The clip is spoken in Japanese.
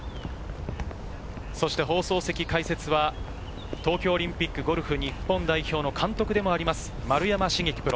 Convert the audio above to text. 放送席解説は東京オリンピックゴルフ日本代表の監督でもある丸山茂樹プロ。